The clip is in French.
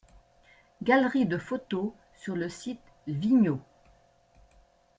Galerie de photos sur le site tvignaud.